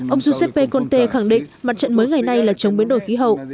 ông giuseppe conte khẳng định mặt trận mới ngày nay là chống biến đổi khí hậu